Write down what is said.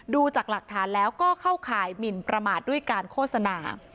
ดูจากหลักฐานแล้วก็เข้าข่ายหมินประมาทด้วยการโฆษณา